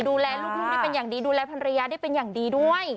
ดูแลลูกได้เป็นอย่างดีดูแลภรรยาได้เป็นอย่างดีด้วย